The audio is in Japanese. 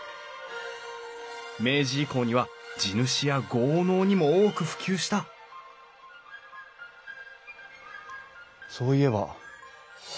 明治以降には地主や豪農にも多く普及したそういえば。